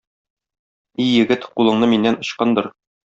И егет, кулыңны миннән ычкындыр.